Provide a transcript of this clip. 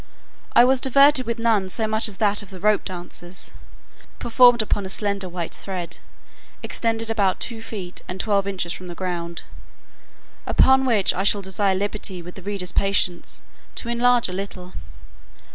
I was diverted with none so much as that of the rope dancers, performed upon a slender white thread, extended about two feet, and twelve inches from the ground. Upon which I shall desire liberty, with the reader's patience, to enlarge a little.